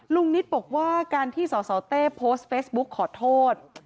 นิตบอกว่าการที่สสเต้โพสต์เฟซบุ๊กขอโทษ